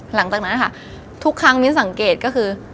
หลังจากนั้นค่ะทุกครั้งมิ้นสังเกตก็คือ